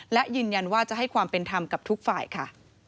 และยืนยันว่าจะให้ความเป็นธรรมกับทุกฝ่ายค่ะ